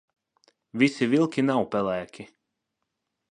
Visi vilki nav pelēki.